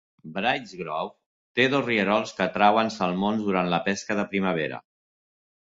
Brights Grove té dos rierols que atrauen salmons durant la pesca de primavera.